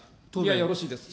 よろしいですか。